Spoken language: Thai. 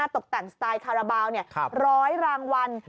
ตกแต่งสไตล์คาราบาล๑๐๐รางวัล